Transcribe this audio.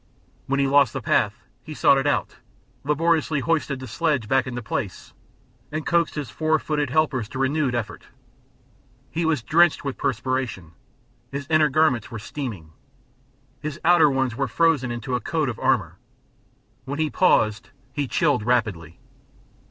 When he lost the path he sought it out, laboriously hoisted the sledge back into place, and coaxed his four footed helpers to renewed effort. He was drenched with perspiration, his inner garments were steaming, his outer ones were frozen into a coat of armor; when he paused he chilled rapidly.